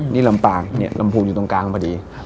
นี่ลำปางเนี่ยลำพูอยู่ตรงกลางพอดี